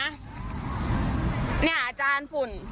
เนี่ยอาจารย์ฝุ่น